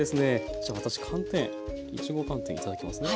じゃあ私寒天いちご寒天頂きますね。